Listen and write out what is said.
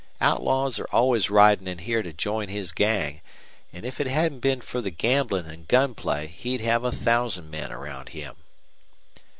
Outlaws are always ridin' in here to join his gang, an' if it hadn't been fer the gamblin' an' gun play he'd have a thousand men around him."